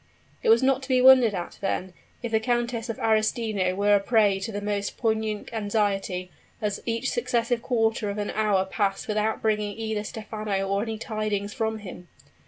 It is not to be wondered at, then, if the Countess of Arestino were a prey to the most poignant anxiety, as each successive quarter of an hour passed without bringing either Stephano or any tidings from him.